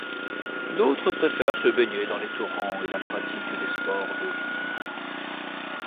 D'autres préfèrent se baigner dans les torrents et la pratique des sports d'eaux vives.